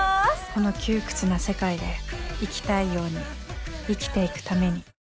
この窮屈な世界で生きたいように生きていくために。